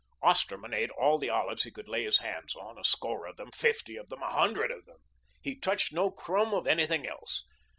Osterman ate all the olives he could lay his hands on, a score of them, fifty of them, a hundred of them. He touched no crumb of anything else.